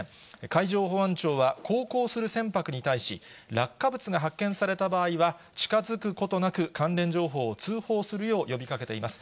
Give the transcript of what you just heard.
海上保安庁は、航行する船舶に対し、落下物が発見された場合は、近づくことなく関連情報を通報するよう呼びかけています。